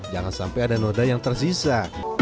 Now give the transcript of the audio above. jangan sampai ada noda yang tersisa